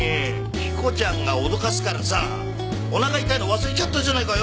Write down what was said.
彦ちゃんが脅かすからさお腹痛いの忘れちゃったじゃないかよ！